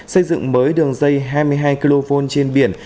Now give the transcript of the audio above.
xây dựng mới đường dây hai mươi hai kv trên biển